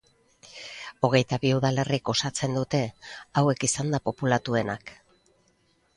Hogeita bi udalerrik osatzen dute, hauek izanda populatuenak.